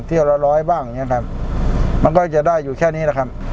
ละร้อยบ้างอย่างเงี้ยครับมันก็จะได้อยู่แค่นี้แหละครับ